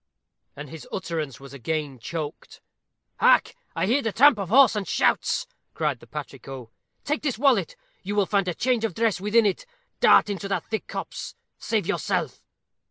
And his utterance was again choked. "Hark! I hear the tramp of horse, and shouts," cried the patrico. "Take this wallet. You will find a change of dress within it. Dart into that thick copse save yourself."